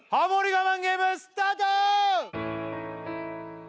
我慢ゲームスタート